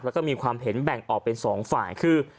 แล้วก็มีความเห็นแบ่งออกเป็น๒ฝ่ายคือ